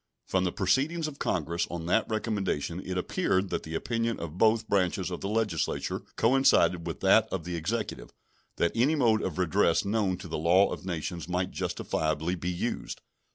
From the proceedings of Congress on that recommendation it appeared that the opinion of both branches of the Legislature coincided with that of the Executive, that any mode of redress known to the law of nations might justifiably be used.